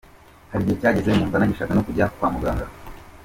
Hari igihe cyageze nkumva ntagishaka no kujya kwa muganga.